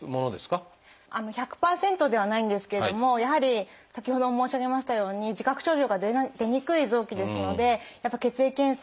１００％ではないんですけれどもやはり先ほども申し上げましたように自覚症状が出にくい臓器ですのでやっぱり血液検査